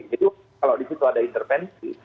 jadi kalau di situ ada intervensi